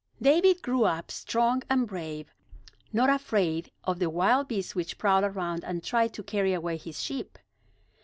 David grew up strong and brave, not afraid of the wild beasts which prowled around and tried to carry away his sheep.